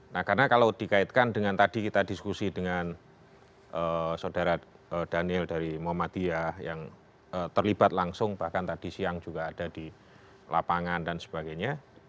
nah karena kalau dikaitkan dengan tadi kita diskusi dengan saudara daniel dari muhammadiyah yang terlibat langsung bahkan tadi siang juga ada di lapangan dan sebagainya